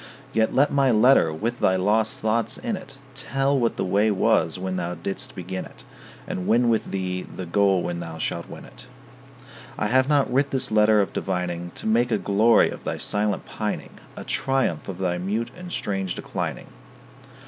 Yet let my letter with thy lost thoughts in it Tell what the way was when thou didst begin it, And win with thee the goal when thou shalt win it. I have not writ this letter of divining To make a glory of thy silent pining, A triumph of thy mute and strange declining.